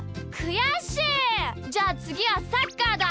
じゃあつぎはサッカーだ！